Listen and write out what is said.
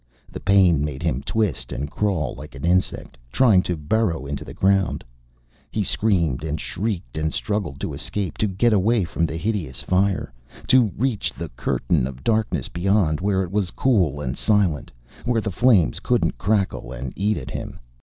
The pain made him twist and crawl like an insect, trying to burrow into the ground. He screamed and shrieked and struggled to escape, to get away from the hideous fire. To reach the curtain of darkness beyond, where it was cool and silent, where the flames couldn't crackle and eat at him.